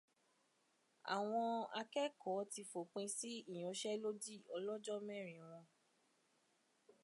Àwọn akẹ́kọ̀ọ́ ti fòpin sí ìyanṣẹ́lódì ọlọ́jọ́ mẹ́rin wọn